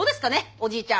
おじいちゃん。